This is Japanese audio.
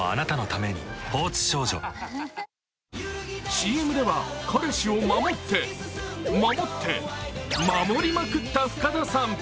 ＣＭでは、彼氏を守って、守って、守りまくった深田さん。